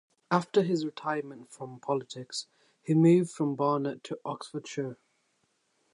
After his retirement from politics, he moved from Barnet to Oxfordshire.